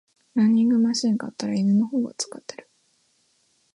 ランニングマシン買ったら犬の方が使ってる